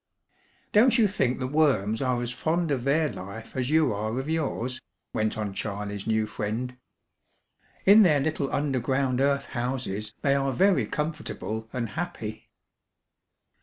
"Don't you think the worms are as fond of their life as you are of yours?" went on Charley's new friend. "In their little underground earth houses they are very comfortable and happy."